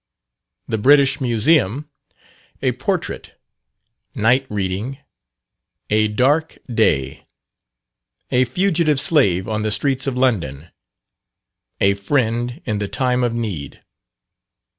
_The British Museum A Portrait Night Reading A Dark Day A Fugitive Slave on the Streets of London, A Friend in the time of need.